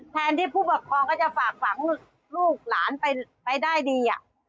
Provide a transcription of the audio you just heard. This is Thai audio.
แทนที่ผู้ปกครองก็จะฝากฝังลูกหลานไปได้ดี